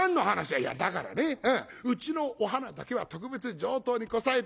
「いやだからねうちのお花だけは特別上等にこさえた。